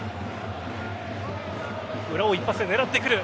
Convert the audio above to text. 裏を一発で狙ってくる。